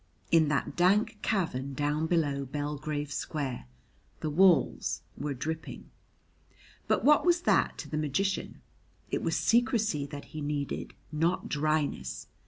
In that dank cavern down below Belgrave Square the walls were dripping. But what was that to the magician? It was secrecy that he needed, not dryness.